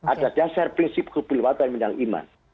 ada dasar prinsip keperluan dan menang iman